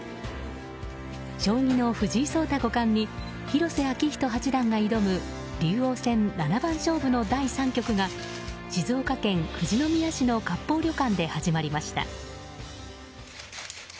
将棋の藤井聡太五冠に広瀬章人八段が挑む竜王戦七番勝負の第３局が静岡県富士宮市の割烹旅館で始まりました。